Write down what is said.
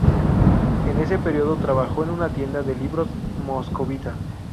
En ese periodo trabajó en una tienda de libros moscovita.